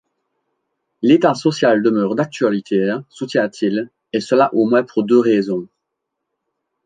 L’État social demeure d’actualité, soutient-il, et cela au moins pour deux raisons.